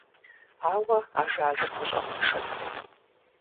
Ауэ ажалыр гущӀэгъуншэт…